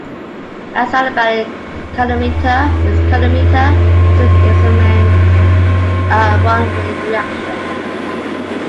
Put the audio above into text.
An adiabatic calorimeter is a calorimeter used to examine a runaway reaction.